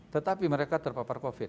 tetapi mereka terpapar covid